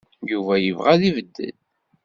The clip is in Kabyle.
Yuba yebɣa abeddel.